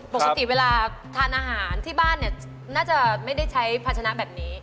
ปกติเวลาทานอาหารที่บ้านเนี่ยน่าจะไม่ได้ใช้ภาชนะแบบนี้